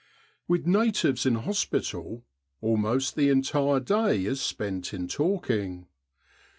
With natives in hospital almost the entire day is spent in talking.